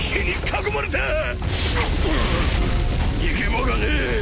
くっ逃げ場がねえ！